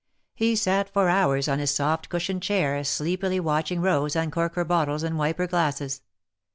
He sat for hours on his soft cushioned chair, sleepily watching Rose uncork her bottles and wipe her glasses.